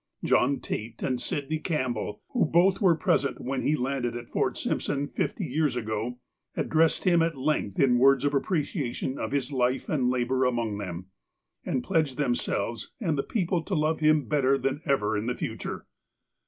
John Tait and Sidney Campbell, who both were pres ent when he landed at Fort Simpson fifty years ago, addressed him at length in words of appreciation of his life and labour among them, and pledged themselves and the people to love him better than ever in the future.